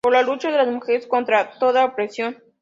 Por la lucha de las mujeres contra toda opresión.